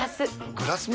グラスも？